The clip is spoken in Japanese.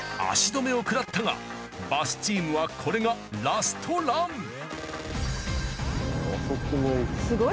足止めをくらったがバスチームはこれがラストラン。